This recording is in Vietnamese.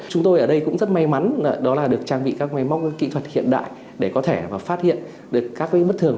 chúng tôi ở đây cũng rất may mắn đó là được trang bị các máy móc kỹ thuật hiện đại để có thể và phát hiện được các bất thường